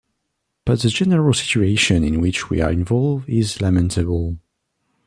But the general situation in which we are involved is lamentable.